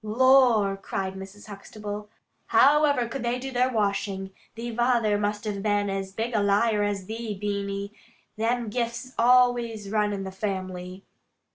'" "Lor," cried Mrs. Huxtable, "however could they do their washing? Thee vayther must a been as big a liar as thee, Beany. Them gifts always runs in the family."